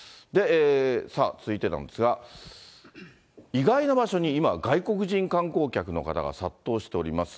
さあ続いてなんですが、意外な場所に今、外国人観光客の方が殺到しております。